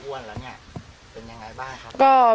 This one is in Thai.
วันนี้เป็นอย่างไรบ้าง